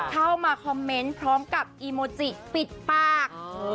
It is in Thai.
เข้ามาคอมเมนต์พร้อมกับอีโมจิปิดปาก